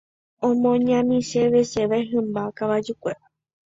Omoñaniseveseve hymba kavajukuéra.